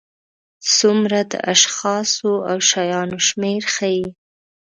څومره د اشخاصو او شیانو شمېر ښيي.